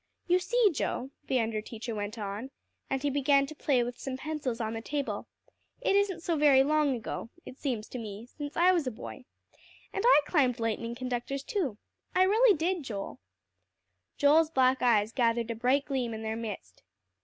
"You see, Joe," the under teacher went on, and he began to play with some pencils on the table, "it isn't so very long ago, it seems to me, since I was a boy. And I climbed lightning conductors too. I really did, Joel." Joel's black eyes gathered a bright gleam in their midst.